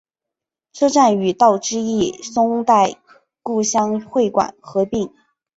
车站与道之驿松代故乡会馆合并。